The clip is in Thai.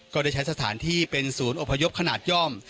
ก็ได้ใช้สถานที่เป็นศูนย์อพยพขนาดย่อม